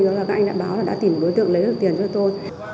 đó là các anh đã báo là đã tìm đối tượng lấy được tiền cho tôi